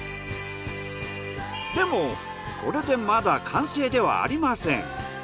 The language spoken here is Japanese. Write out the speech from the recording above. でもこれでまだ完成ではありません。